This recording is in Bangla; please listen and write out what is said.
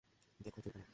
দেখো ছুরিটা নাও।